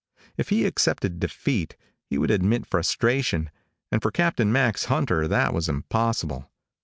If he accepted defeat he would admit frustration, and for Captain Max Hunter that was impossible.